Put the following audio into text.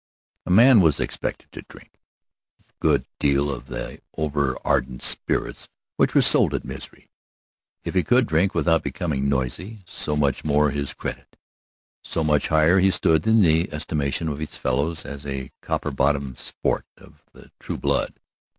A man was expected to drink a good deal of the overardent spirits which were sold at Misery. If he could drink without becoming noisy, so much the more to his credit, so much higher he stood in the estimation of his fellows as a copper bottomed sport of the true blood.